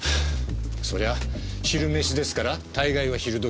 そりゃ昼飯ですから大概は昼時ですが。